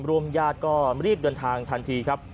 ญาติก็รีบเดินทางทันทีครับ